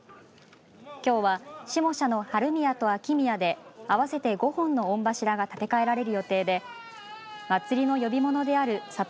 きょうは下社の春宮と秋宮で合わせて５本の御柱が建て替えられる予定で祭りの呼び物である里